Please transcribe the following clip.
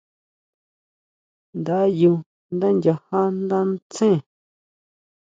Nda ʼyú ndá nyajá ndá ntsén.